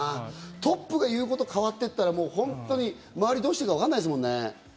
トップが言うこと変わってったら周り、どうしていいかわかんないですもんね。